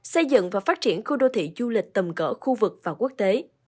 xây dựng và phát triển khu đô thị du lịch tầm cỡ khu vực và quốc tế